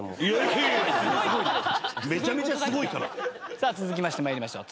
さあ続きまして参りましょう。